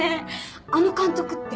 あの監督って。